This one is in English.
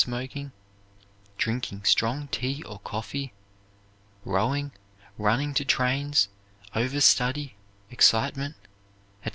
smoking, drinking strong tea or coffee, rowing, running to trains, overstudy, excitement, etc.